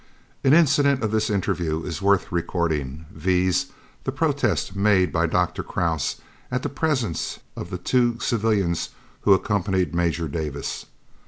Another incident of this interview is worth recording, viz. the protest made by Dr. Krause at the presence of the two civilians who accompanied Major Davis.